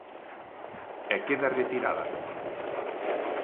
E queda retirada.